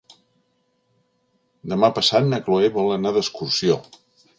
Demà passat na Cloè vol anar d'excursió.